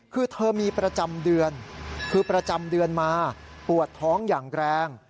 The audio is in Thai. คือเธอมีประจำเดือนคือประจำเดือนมาปวดท้องอย่างแรง